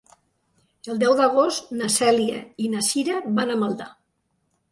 El deu d'agost na Cèlia i na Cira van a Maldà.